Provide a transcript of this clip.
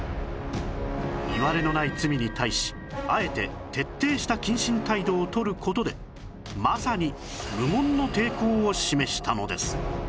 いわれのない罪に対しあえて徹底した謹慎態度をとる事でまさに無言の抵抗を示したのです